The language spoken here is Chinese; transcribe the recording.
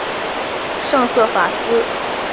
圣瑟法斯是马斯特里赫特城的主保圣人。